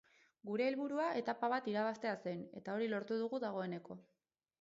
Gure helburua etapa bat irabaztea zen eta hori lortu dugu dagoeneko.